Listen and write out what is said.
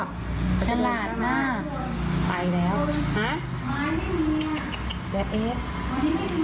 อีติมเสียงดังไหมเนี้ยเย็นเย็นเขาจะเดินข้างหลังอ่ะ